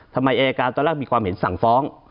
ทำไมอายการตอนแรกมีความเห็นสั่งฟ้อง